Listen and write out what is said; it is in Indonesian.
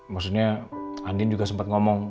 maksudnya andin juga sempat ngomong